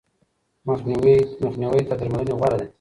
مخنیوی تر درملنې غوره دی.